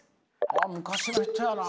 昔の人やな。